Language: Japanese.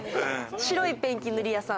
ペンキ塗り屋さん。